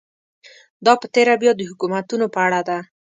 دا په تېره بیا د حکومتونو په اړه ده.